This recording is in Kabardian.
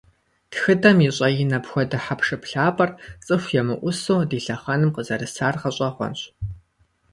Тхыдэм и щIэин апхуэдэ хьэпшып лъапIэр, цIыху емыIусэу, ди лъэхъэнэм къызэрысар гъэщIэгъуэнщ.